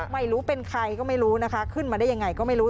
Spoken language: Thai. ไม่รู้เป็นใครก็ไม่รู้นะคะขึ้นมาได้ยังไงก็ไม่รู้